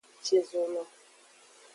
Ci zo lo.